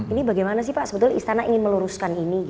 ini bagaimana sih pak sebetulnya istana ingin meluruskan ini